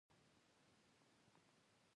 دا د هغه څه په ترسره کولو کې وي.